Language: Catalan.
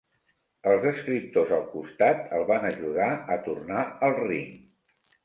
Els escriptors al costat el van ajudar a tornar al ring.